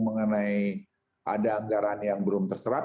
mengenai ada anggaran yang belum terserap